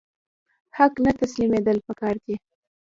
حق ته تسلیمیدل پکار دي